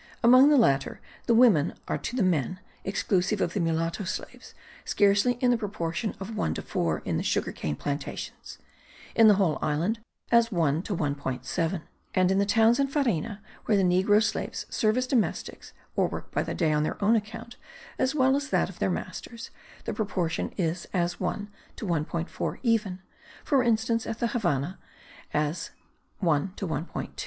Among the latter, the women are to the men (exclusive of the mulatto slaves), scarcely in the proportion of 1 : 4, in the sugar cane plantations; in the whole island, as 1 : 1.7; and in the towns and farina where the negro slaves serve as domestics, or work by the day on their own account as well as that of their masters, the proportion is as 1 : 1.4; even (for instance at the Havannah),* as 1 : 1.2.